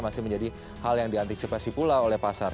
masih menjadi hal yang diantisipasi pula oleh pasar